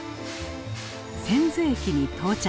千頭駅に到着。